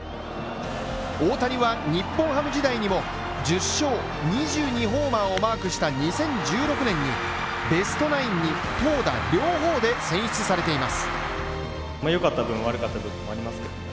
大谷は日本ハム時代にも１０勝２２ホーマーをマークした２０１６年にベストナイン投打両方で選出されています。